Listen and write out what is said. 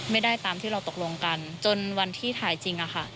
ไม่ได้ตามที่เราตกลงกันจนวันที่ถ่ายจริงอะค่ะ